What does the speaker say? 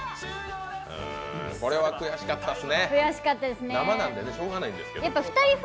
これは悔しかったですね。